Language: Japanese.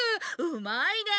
うまいね！